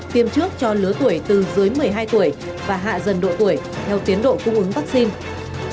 tiêm trước cho lứa tuổi từ dưới một mươi hai tuổi và hạ dần độ tuổi theo tiến độ cung ứng vaccine